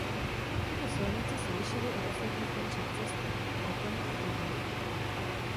Tyto silnice se lišily od ostatních menších cest pro koně a chodníků.